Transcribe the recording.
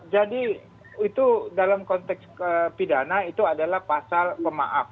jadi itu dalam konteks pidana itu adalah pasal pemaaf